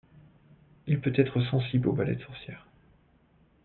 Il peut être sensible au balai de sorcière.